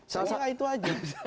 saya kira itu aja